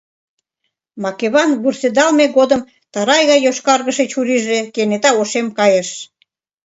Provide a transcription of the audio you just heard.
Макеван вурседалме годым тарай гай йошкаргыше чурийже кенета ошем кайыш.